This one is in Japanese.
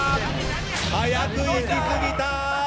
速く行き過ぎた！